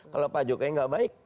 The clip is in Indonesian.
kalau pak jokowi nggak baik